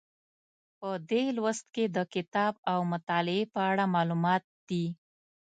په دې لوست کې د کتاب او مطالعې په اړه معلومات دي.